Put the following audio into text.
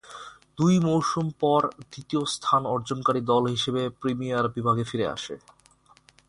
দুই মৌসুম পর, দ্বিতীয় স্থান অর্জনকারী দল হিসেবে প্রিমিয়ার বিভাগে ফিরে আসে।